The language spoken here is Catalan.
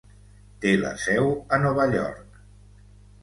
Té la seu a Nova York.